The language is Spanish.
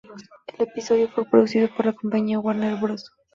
El episodio fue producido por la compañía Warner Bros.